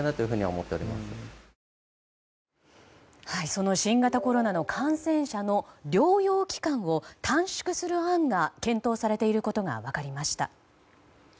その新型コロナの感染者の療養期間を短縮する案が検討されていることが分かりました。